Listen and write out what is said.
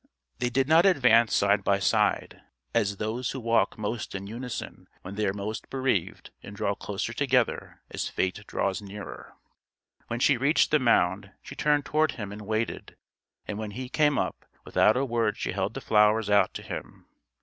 They did not advance side by side as those who walk most in unison when they are most bereaved and draw closer together as fate draws nearer. When she reached the mound, she turned toward him and waited; and when he came up, without a word she held the flowers out to him.